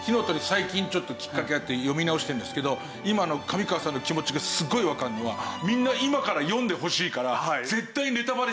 最近きっかけがあって読み直してるんですけど今の上川さんの気持ちがすごいわかるのはみんな今から読んでほしいから絶対ネタバレしてほしくない。